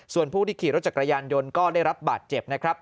ส่วนผู้ที่ขี่รถจักรยานยนต์ก็ได้รับบาดเจ็บนะครับ